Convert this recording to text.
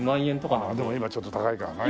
でも今ちょっと高いからね。